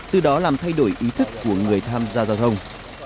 từ đó làm thay đổi ý thức của người tham gia giao thông